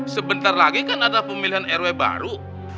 sebentar lagi kan adalah pemilihan rw baru